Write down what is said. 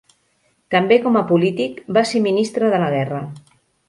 També, com a polític, va ser Ministre de la Guerra.